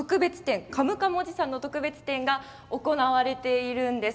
カムカムおじさんの特別展が行われているんです。